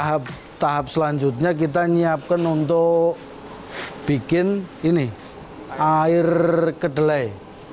nah ini tahap selanjutnya kita menyiapkan untuk bikin air kedelai